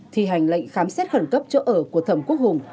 thi hành lệnh khám xét khẩn cấp chỗ ở của thẩm quốc hùng